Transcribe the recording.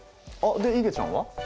でいげちゃんは？